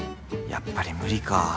やっぱり無理か。